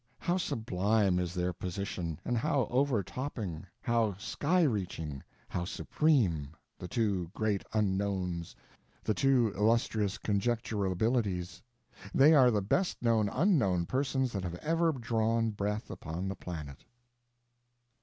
How sublime is their position, and how over topping, how sky reaching, how supreme—the two Great Unknowns, the two Illustrious Conjecturabilities! They are the best known unknown persons that have ever drawn breath upon the planet.